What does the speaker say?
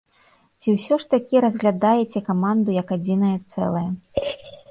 Ці ўсё ж такі разглядаеце каманду як адзінае цэлае?